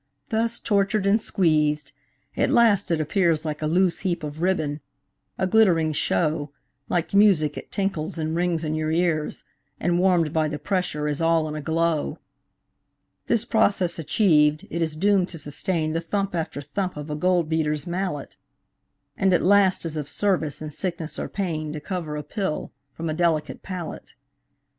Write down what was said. Thus tortured and squeezed, at last it appears Like a loose heap of ribbon, a glittering show, Like music it tinkles and rings in your ears, And warm'd by the pressure is all in a glow. This process achiev'd, it is doom'd to sustain The thump after thump of a gold beater's mallet, And at last is of service in sickness or pain To cover a pill from a delicate palate.